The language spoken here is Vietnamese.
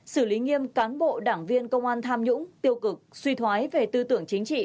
xử lý nghiêm cán bộ đảng viên công an tham nhũng tiêu cực suy thoái về tư tưởng chính trị